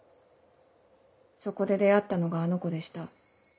「そこで出会ったのがあの子でした。